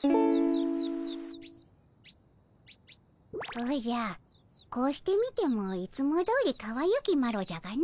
おじゃこうして見てもいつもどおりかわゆきマロじゃがの。